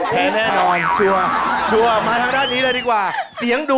แทนแน่นอน